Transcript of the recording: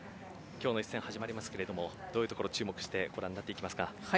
今日の一戦始まりますけれどもどういうところ注目してご覧になっていきますか。